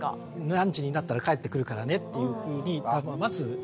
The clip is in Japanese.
何時になったら帰ってくるからねっていうふうにまず言って。